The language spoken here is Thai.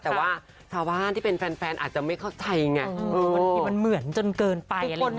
แต่ว่าชาวบ้านที่เป็นแฟนอาจจะไม่เข้าใจไงบางทีมันเหมือนจนเกินไปอะไรอย่างนี้